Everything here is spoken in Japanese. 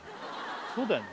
そうだよね